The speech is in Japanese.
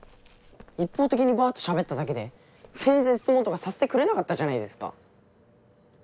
一方的にバっとしゃべっただけで全然質問とかさせてくれなかったじゃないですか。